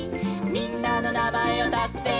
「みんなのなまえをたせば」